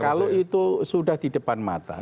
kalau itu sudah di depan mata